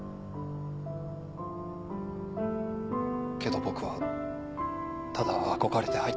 けど僕はただ憧れて入っただけで。